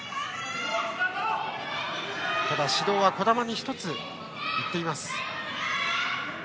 ただ、指導は児玉に１つ行っています。